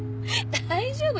大丈夫よ。